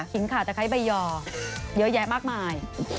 หินขัดะไคร้ใบยองเยอะแยะมากมาย